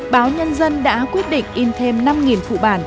báo nhân dân đã quyết định in thêm năm phụ bản